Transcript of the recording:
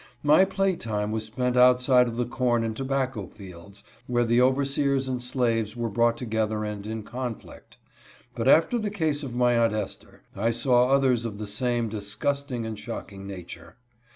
My play time was spent outside of the corn and tobacco fields, where the overseers and slaves were brought together and in conflict. But after the case of my Aunt Esther I saw others of the same disgusting and shocking nature.